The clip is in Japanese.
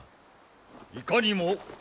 いかにも。